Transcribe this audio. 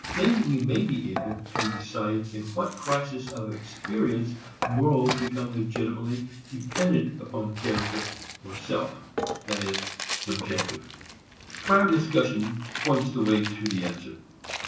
Then we may be able to decide in what crisis of experience morals become legitimately dependent upon character or self that is, "subjective." Prior discussion points the way to the answer.